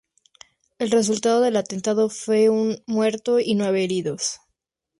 El resultado del atentado fue un muerto y nueve heridos.